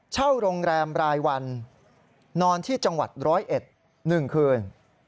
เช่าโรงแรมรายวันนอนที่จังหวัดร้อยเอ็ด๑คืน